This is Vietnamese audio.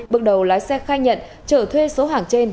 bước đầu lái xe khai nhận trở thuê số hàng trên